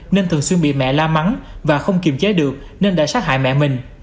nên thường xuyên bị mẹ la mắn và không kiềm chế được nên đã sát hại mẹ mình